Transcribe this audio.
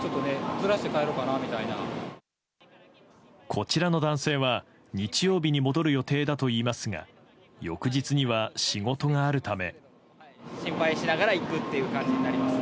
こちらの男性は日曜日に戻る予定だといいますが翌日には仕事があるため。